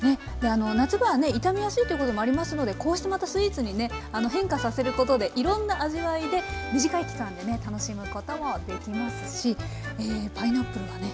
夏場はね傷みやすいということもありますのでこうしてまたスイーツにね変化させることでいろんな味わいで短い期間でね楽しむこともできますしパイナップルはね